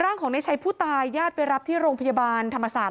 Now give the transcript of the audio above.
ร่างของในชัยผู้ตายญาติไปรับที่โรงพยาบาลธรรมศาสต